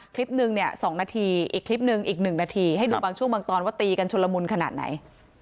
คลิปนึงเนี่ย๒นาทีอีกคลิปหนึ่งอีก๑นาทีให้ดูบางช่วงบางตอนว่าตีกันชนละมุนขนาดไหน